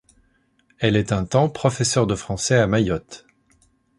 Elle est un temps professeur de Français à Mayotte.